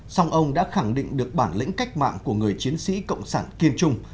song ông đã khẳng định được bản lĩnh cách mạng của người chiến sĩ cộng sản kiên trung